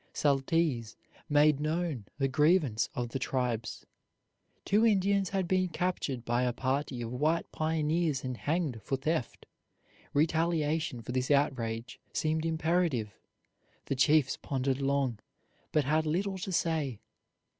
Saltese made known the grievance of the tribes. Two Indians had been captured by a party of white pioneers and hanged for theft. Retaliation for this outrage seemed imperative. The chiefs pondered long, but had little to say.